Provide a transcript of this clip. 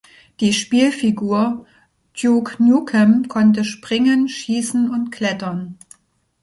Die Spielfigur Duke Nukem konnte springen, schießen und klettern.